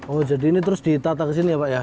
oh jadi ini terus ditata kesini ya pak ya